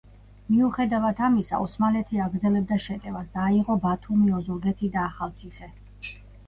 მიუხედავად ამისა, ოსმალეთი აგრძელებდა შეტევას და აიღო ბათუმი, ოზურგეთი და ახალციხე.